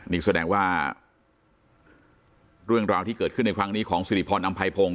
นี่แสดงว่าเรื่องราวที่เกิดขึ้นในครั้งนี้ของสิริพรอำไพพงศ